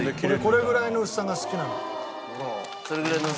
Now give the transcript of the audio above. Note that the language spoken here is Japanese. これぐらいの薄さが好きなの。